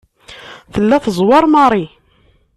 Tella tezweṛ Mary.